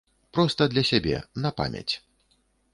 Проста для сябе, на памяць.